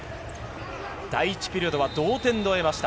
第１ピリオドは同点で終えました。